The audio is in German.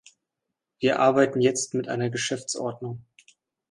Wir arbeiten jetzt mit einer Geschäftsordnung.